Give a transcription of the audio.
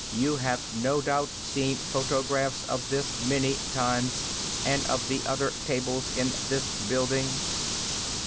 "You have no doubt seen photographs of this many times, and of the other tables in this building.